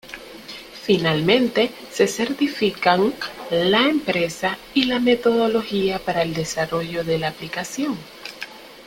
Finalmente se certifican la empresa, y la metodología para el desarrollo de la aplicación.